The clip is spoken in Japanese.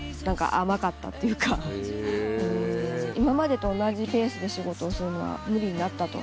今までと同じペースで仕事をするのは無理になったと。